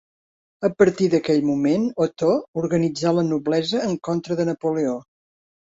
A partir d'aquell moment Otó organitzà la noblesa en contra de Napoleó.